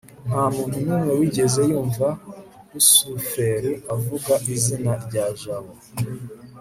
ntamuntu numwe wigeze yumva rusufero avuga izina rya jabo